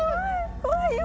怖いよ。